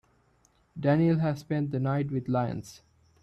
Danielle has spent the night with lions.